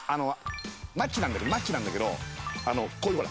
マッチなんだけどマッチなんだけどこういうほら